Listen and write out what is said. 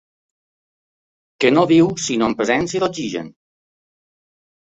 Que no viu sinó en presència d'oxigen.